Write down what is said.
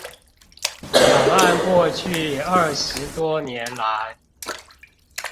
兩岸過去二十多年來